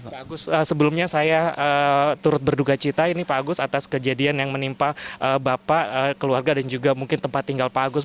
pak agus sebelumnya saya turut berduka cita ini pak agus atas kejadian yang menimpa bapak keluarga dan juga mungkin tempat tinggal pak agus